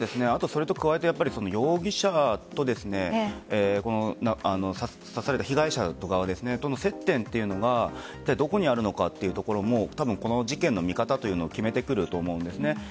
それと加えて、容疑者と刺された被害者側との接点というのがどこにあるのかというところもこの事件の見方というのを決めてくると思うんです。